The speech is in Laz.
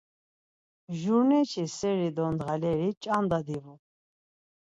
Jurneçi seri do ndğaleri ç̌anda divu.